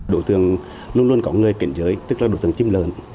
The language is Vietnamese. đối tượng luôn luôn có người kiện giới tức là đối tượng chiếm lợn